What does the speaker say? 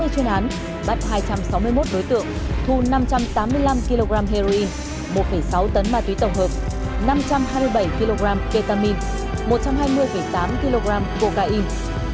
sáu mươi chuyên án bắt hai trăm sáu mươi một đối tượng thu năm trăm tám mươi năm kg heroin một sáu tấn ma túy tổng hợp năm trăm hai mươi bảy kg ketamine một trăm hai mươi tám kg cocaine